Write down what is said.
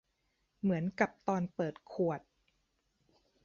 เหมือนกับตอนเปิดขวด